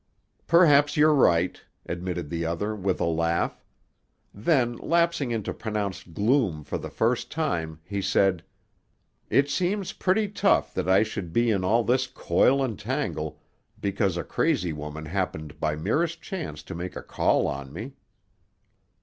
"Perhaps you're right," admitted the other, with a laugh; then, lapsing into pronounced gloom for the first time, he said, "It seems pretty tough that I should be in all this coil and tangle because a crazy woman happened by merest chance to make a call on me."